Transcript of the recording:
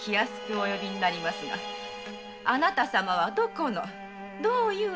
お呼びになりますがあなた様はどこのどういう田之倉様なのでございますか？